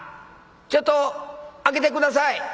ちょっと開けて下さい」。